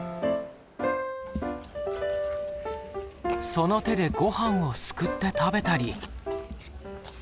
その手でごはんをすくって食べたり。